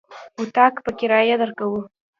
اطاق په کرايه درکوو.